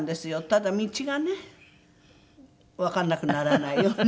ただ道がねわかんなくならないように。